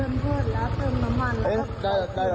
โอ้โหขอบคุณมากเลยนะ